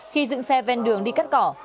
khi dựng xe ven đường đi cắt cỏ